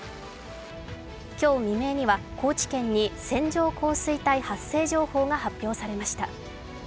今日未明には高知県に線状降水帯発生情報が発表されました。